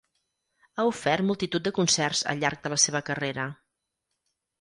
Ha ofert multitud de concerts al llarg de la seva carrera.